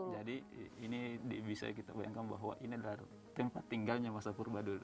jadi ini bisa kita bayangkan bahwa ini adalah tempat tinggalnya masa purba dulu